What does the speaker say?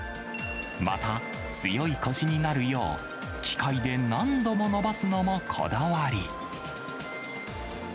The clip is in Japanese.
また、強いこしになるよう、機械で何度も伸ばすのも、こだわり。